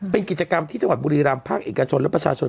เป็นกิจกรรมที่จังหวัดบุรีรำภาคเอกชนและประชาชน